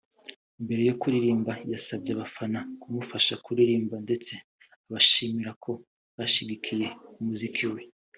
mbere yo kuririmba asabye abafana kumufasha kuririmba ndetse abashimira ko bashyigikiye umuziki we